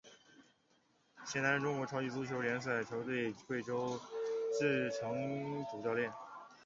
现担任中国超级足球联赛球队贵州智诚主教练。